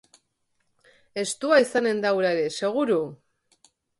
Estua izango da hura ere, seguru!